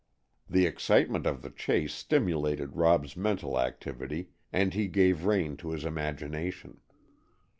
The excitement of the chase stimulated Rob's mental activity, and he gave rein to his imagination.